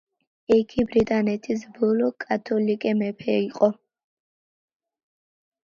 იგი ბრიტანეთის ბოლო კათოლიკე მეფე იყო.